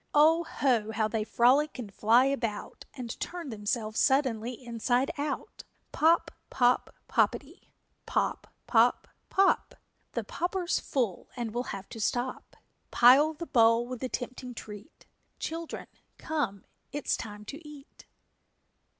_ O ho, how they frolic and fly about And turn themselves suddenly inside out! Pop pop poppetty! Pop pop pop! The popper's full and we'll have to stop; Pile the bowl with the tempting treat, Children, come, it is time to eat!